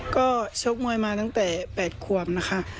ก็ชกมวยมาตั้งแต่๘ขวบนะคะ